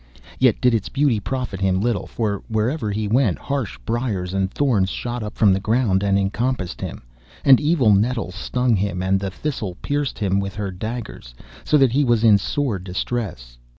Yet did its beauty profit him little, for wherever he went harsh briars and thorns shot up from the ground and encompassed him, and evil nettles stung him, and the thistle pierced him with her daggers, so that he was in sore distress.